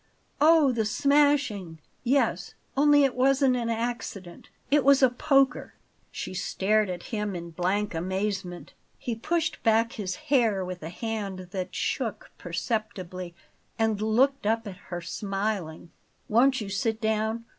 Oh, the smashing! Yes; only it wasn't an accident, it was a poker." She stared at him in blank amazement. He pushed back his hair with a hand that shook perceptibly, and looked up at her, smiling. "Won't you sit down?